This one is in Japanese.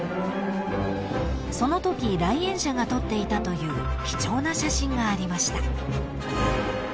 ［そのとき来園者が撮っていたという貴重な写真がありました］